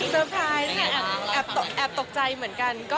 เซอร์ไพรส์แอบตกใจเหมือนกัน